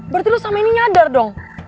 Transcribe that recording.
berarti lo sampe ini nyadar dong